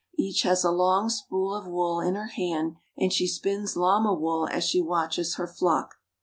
Each has a long spool of wool in her hand, and she spins llama wool as she watches her flock.